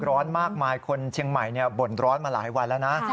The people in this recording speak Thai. ร้อนมากมายคนเชียงใหม่บ่นร้อนมาหลายวันแล้วนะ